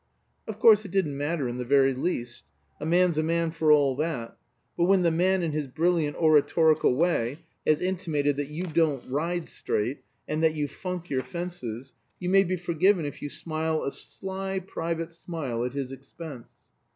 Of course it didn't matter in the very least. A man's a man for all that; but when the man, in his brilliant oratorical way, has intimated that you don't ride straight, and that you funk your fences, you may be forgiven if you smile a sly private smile at his expense.